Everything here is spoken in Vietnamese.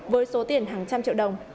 với số tiền hàng trăm triệu đồng